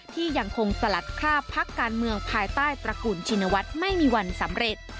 ที่ยังคงสลัดคราบพักการเมืองภายใต้ตระกูลชินวัฒน์ไม่มีวันสำเร็จ